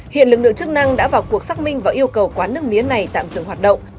hiện lực lượng chức năng đã vào cuộc xác minh và yêu cầu quán nước mía này tạm dừng hoạt động